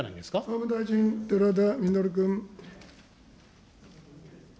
総務大臣、寺田稔君。